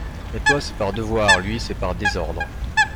Mais toi, c’est par devoir ; lui, c’est par désordre.